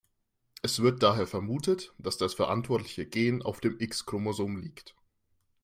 Es wird daher vermutet, dass das verantwortliche Gen auf dem X-Chromosom liegt.